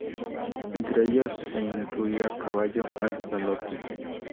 Entre ellos se incluía caballo al galope.